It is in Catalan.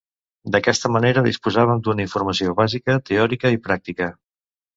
D'aquesta manera, disposaven d'una informació bàsica, teòrica i pràctica.